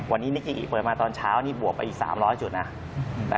วันนี้นิกกีอิเปิดมาตอนเช้านี่บวกไปอีก๓๐๐จุดนะ